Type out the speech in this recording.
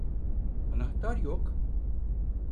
Anahtar yok.